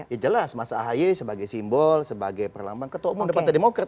ya jelas mas ahaye sebagai simbol sebagai perlambang ketua umum partai demokrat